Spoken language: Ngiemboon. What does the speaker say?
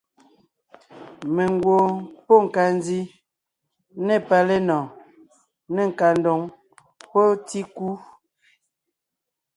Mengwoon páʼ nkandi ne palénɔɔn, ne nkandoŋ pɔ́ tíkú.